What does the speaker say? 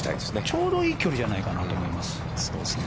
ちょうどいい距離じゃないかなと思います。